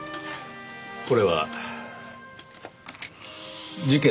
これは事件